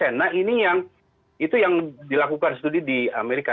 nah ini yang itu yang dilakukan studi di amerika